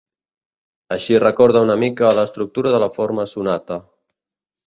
Així recorda una mica a l’estructura de la forma sonata.